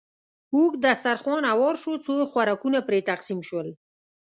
اوږد دسترخوان هوار شو، څو خوراکونه پرې تقسیم شول.